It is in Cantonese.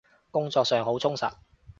工作上好充實？